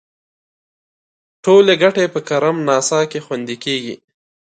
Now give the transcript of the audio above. ټولې ګټې په کرم ناسا کې خوندي کیږي.